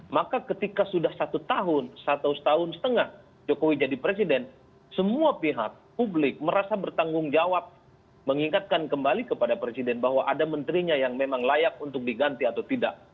maka ketika sudah satu tahun satu setahun setengah jokowi jadi presiden semua pihak publik merasa bertanggung jawab mengingatkan kembali kepada presiden bahwa ada menterinya yang memang layak untuk diganti atau tidak